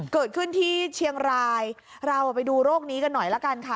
เกิดขึ้นที่เชียงรายเราไปดูโรคนี้กันหน่อยละกันค่ะ